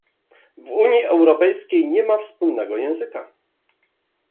W Unii Europejskiej nie ma wspólnego języka